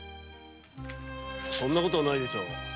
そんな事ないでしょう。